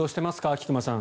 菊間さん。